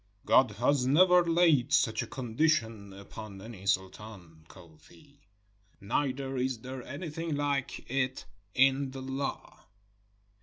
"God has never laid such a condition upon any sultan," quoth he; "neither is there anything like it in the law."